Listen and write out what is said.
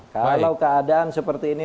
kalau keadaan seperti ini